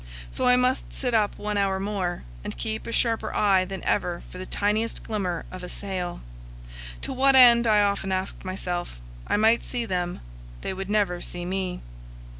So I must sit up one hour more, and keep a sharper eye than ever for the tiniest glimmer of a sail. To what end, I often asked myself? I might see them; they would never see me.